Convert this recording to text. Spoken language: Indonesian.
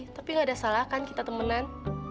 tapi gak ada salah kan kita temenan